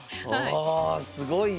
あすごいね。